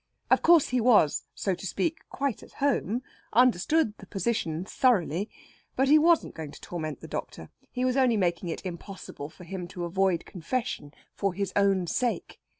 Of course he was, so to speak, quite at home understood the position thoroughly. But he wasn't going to torment the doctor. He was only making it impossible for him to avoid confession, for his own sake.